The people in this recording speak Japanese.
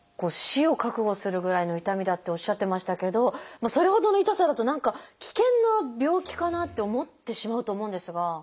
死を覚悟するぐらいの痛みだっておっしゃってましたけどそれほどの痛さだと何か危険な病気かなって思ってしまうと思うんですが。